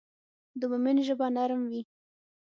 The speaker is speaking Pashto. د مؤمن ژبه نرم وي.